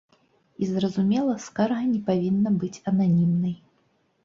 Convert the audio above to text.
І, зразумела, скарга не павінна быць ананімнай.